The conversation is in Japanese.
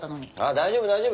大丈夫大丈夫。